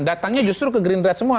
datangnya justru ke green dress semua